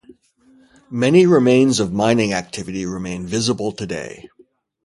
Many remains of mining activity remain visible today.